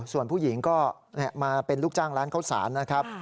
ส่วนผู้หญิงก็มาเป็นลูกจ้างร้านข้าวสารนะครับ